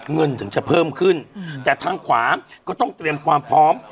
เงินถึงจะเพิ่มขึ้นแต่ทางขวาก็ต้องเตรียมความพร้อม